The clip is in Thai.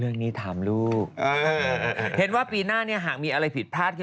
เรื่องนี้ถามลูกเห็นว่าปีหน้าเนี่ยหากมีอะไรผิดพลาดคือ